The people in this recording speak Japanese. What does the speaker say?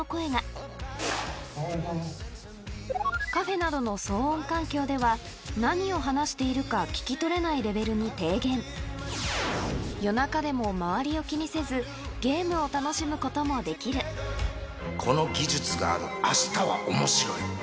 カフェなどの騒音環境では何を話しているか聞き取れないレベルに低減を楽しむこともできるこの技術がある明日は面白い